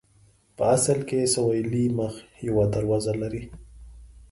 په اصل کې سویلي مخ یوه دروازه لري.